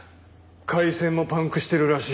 回線もパンクしてるらしい。